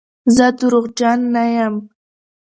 زه درواغجن نه یم.